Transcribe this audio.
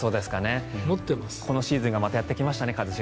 このシーズンがまたやってきましたね。